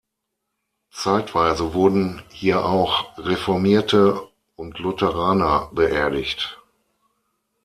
Zeitweise wurden hier auch Reformierte und Lutheraner beerdigt.